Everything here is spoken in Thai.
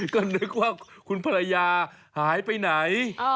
ก็นึกว่าคุณภรรยาหายไปไหน